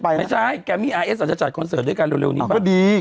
ไม่ใช่แกมมี่อาร์เอสอาจจะจัดคอนเสิร์ตด้วยกันเร็วนี้มันก็ดี